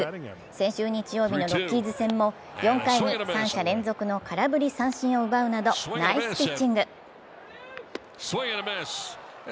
先週日曜日のロッキーズ戦も４回に３者連続の空振り三振を奪うなどナイスピッチング。